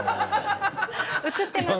映ってますよ。